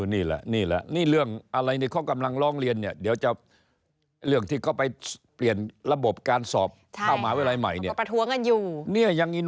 นี่แหละนี่เรื่องอะไรในข้อกำลังล่องเรียนเนี่ยเดี๋ยวจะเรื่องที่เข้าไปเปลี่ยนระบบการสอบเข้ามาเวลาใหม่เนี่ย